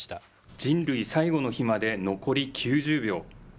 人類最後の日まで残り９０秒。